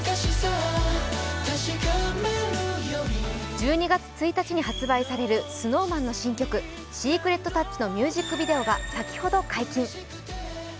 １２月１日に発売されるＳｎｏｗＭａｎの新曲、「ＳｅｃｒｅｔＴｏｕｃｈ」のミュージックビデオが先ほど解禁。